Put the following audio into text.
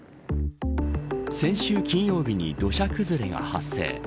先週金曜日に土砂崩れが発生。